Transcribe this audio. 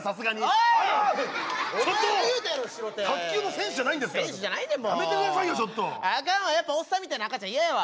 あかんわやっぱおっさんみたいな赤ちゃん嫌やわ。